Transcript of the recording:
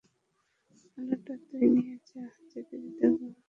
আলোটা তুই নিয়ে যা, যেতে যেতে ঘুরঘুটি অন্ধকার হবে।